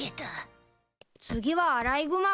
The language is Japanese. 次はアライグマ君だよ。